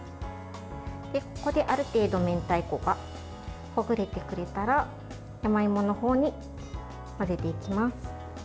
ここで、ある程度明太子がほぐれてくれたら山芋の方に混ぜていきます。